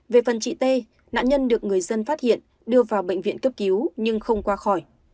về phần chị t nạn nhân được người dân phát hiện đưa vào bệnh viện cấp cứu nhưng không qua khỏi